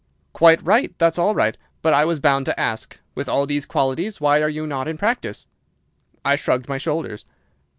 "'Quite right! That's all right! But I was bound to ask. With all these qualities, why are you not in practice?' "I shrugged my shoulders.